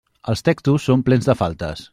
Els textos són plens de faltes.